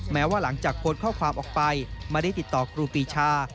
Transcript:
แม้ว่าหลังจากโพสต์ข้อความออกไปไม่ได้ติดต่อครูปีชา